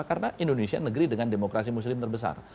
karena indonesia negeri dengan demokrasi muslim terbesar